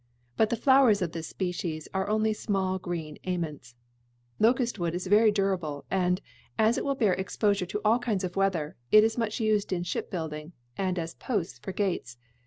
But the flowers of this species are only small greenish aments. Locust wood is very durable, and, as it will bear exposure to all kinds of weather, it is much used in shipbuilding and as posts for gates.